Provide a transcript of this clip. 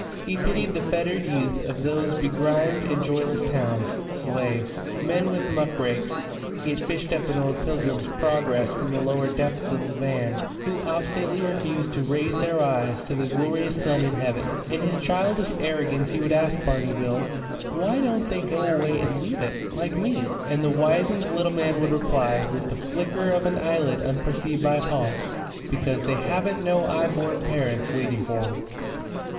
He pitied the fettered youth of these begrimed and joyless towns slaves, Men with Muckrakes (he had fished up an old "Pilgrim's Progress" from the lower depths of the van), who obstinately refused to raise their eyes to the glorious sun in heaven. In his childish arrogance he would ask Barney Bill, "Why don't they go away and leave it, like me?" And the wizened little man would reply, with the flicker of an eyelid unperceived by Paul, "Because they haven't no 'igh born parents waiting for 'em.